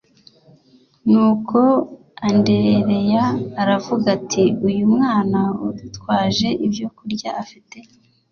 nuko andereya aravuga ati uyu mwana udutwaje ibyokurya afite